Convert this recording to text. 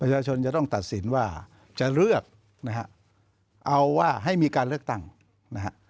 ประชาชนจะต้องตัดสินว่าจะเลือกนะครับเอาว่าให้มีการเลือกตั้งนะครับ